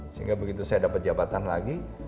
sehingga begitu saya dapat jabatan lagi